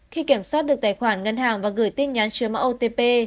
khi kiểm soát được tài khoản ngân hàng và gửi tin nhắn chiếm mã otp